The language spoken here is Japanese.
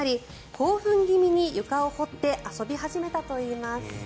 興奮気味に床を掘って遊び始めたといいます。